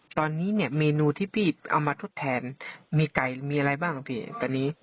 ตอนนี้เนี่ยเมนูที่พี่เอามาทดแทนมีไก่มีอะไรบ้างพี่ตอนนี้